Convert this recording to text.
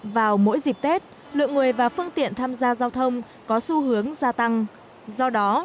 vào mỗi dịp tết lượng người và phương tiện tham gia giao thông có xu hướng gia tăng do đó